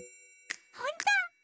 ほんと！？